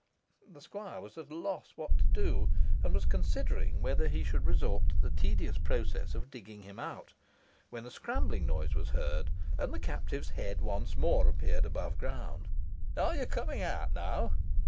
The squire was at a loss what to do, and was considering whether he should resort to the tedious process of digging him out, when a scrambling noise was heard, and the captive's head once more appeared above ground. "Are you coming out now?"